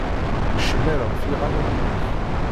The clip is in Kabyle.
Cemmer ɣef yiɣalen-ik.